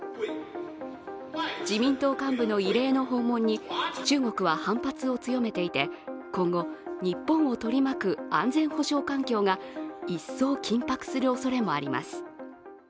自民党幹部の異例の訪問に中国は反発を強めていて今後、日本を取り巻く安全保障環境が一層、緊迫するおそれもあります。